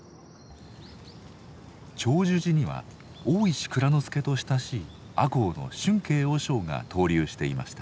長寿寺には大石内蔵助と親しい赤穂の俊恵和尚が逗留していました。